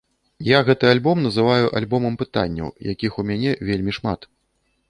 Я гэты альбом называю альбомам пытанняў, якіх у мяне вельмі шмат.